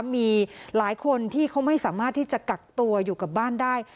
มีหลายคนที่เขาไม่สามารถที่จะกักตัวอยู่กับบ้านได้